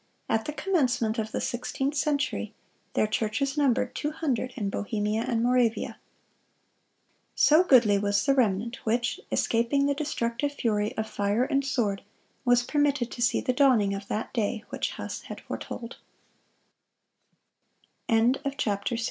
At the commencement of the sixteenth century, their churches numbered two hundred in Bohemia and Moravia."(158) "So goodly was the remnant which, escaping the destructive fury of fire and sword, was permitted to see the dawning of that day which Huss had